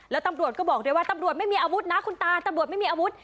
แล้วตำรวจก็บอกด้วยว่าตำรวจไม่มีอาวุธนะคุณตาตำรวจไม่มีอาวุธ